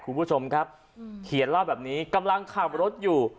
คุณผู้ชมครับเขียนเล่าแบบนี้กำลังขับรถอยู่